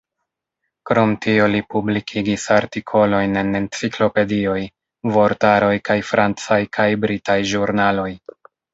Krom tio li publikigis artikolojn en enciklopedioj, vortaroj kaj francaj kaj britaj ĵurnaloj.